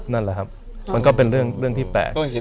นั่นแหละครับมันก็เป็นเรื่องที่แปลก